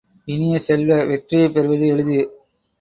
இனிய செல்வ, வெற்றியைப் பெறுவது எளிது.